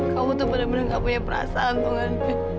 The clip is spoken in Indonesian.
kamu tuh bener bener nggak punya perasaan